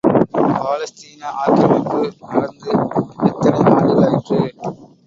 பாலஸ்தீன ஆக்கிரமிப்பு நடந்து எத்தனை ஆண்டுகளாயிற்று.